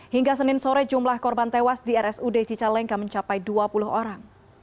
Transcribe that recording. hingga senin sore jumlah korban tewas di rsud cicalengka mencapai dua puluh orang